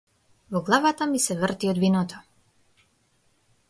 Во главата ми се врти од виното.